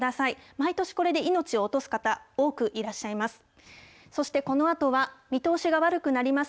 毎年、これで命を落とす方、多くいらっしゃいます。